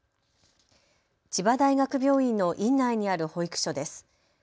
千葉大学病院の院内にある保育所です。